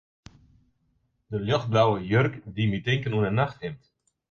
De ljochtblauwe jurk die my tinken oan in nachthimd.